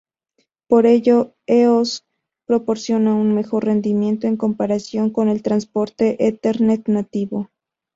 Por ello, EoS proporciona un mejor rendimiento en comparación con el transporte Ethernet nativo.